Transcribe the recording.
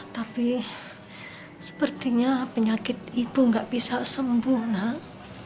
tapi sepertinya penyakit ibu gak bisa sembuh nak